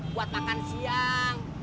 buat makan siang